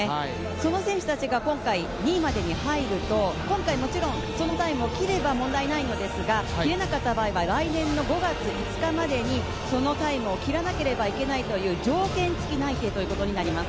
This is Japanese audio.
その選手たちが今回、２位までに入ると、今回もちろん、そのタイムを切れば問題ないのですが、問題ないのですが、切れなかった場合は来年の５月５日までにそのタイムを切らないと条件付き内定ということになります。